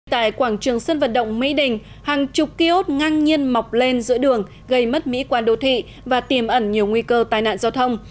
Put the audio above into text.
tại quảng trường sơn vật động mỹ đình hàng chục kios ngang nhiên mọc lên giữa đường gây mất mỹ quan đô thị và tìm ẩn nhiều nguy cơ tai nạn giao thông